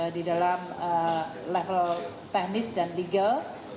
di dalam level teknis dan legal